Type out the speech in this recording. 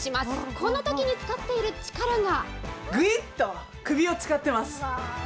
このときに使っている力が。